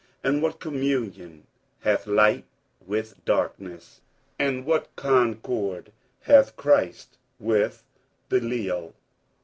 and what communion hath light with darkness? 47:006:015 And what concord hath Christ with Belial?